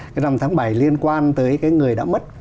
cái rằm tháng bảy liên quan tới cái người đã mất